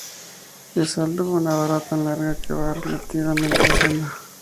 Es alto, con una barba tan larga que barre la tierra mientras anda.